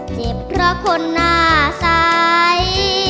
เจ็บเพราะคนหน้าใส